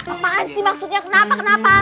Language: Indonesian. apaan sih maksudnya kenapa kenapa